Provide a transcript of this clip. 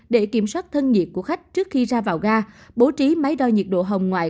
để kiểm soát thân nhiệt của khách trước khi ra vào ga bố trí máy đo nhiệt độ hồng ngoại